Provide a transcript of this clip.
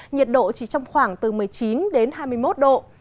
nhiệt độ chỉ trong khoảng từ một mươi chín đến hai mươi một độ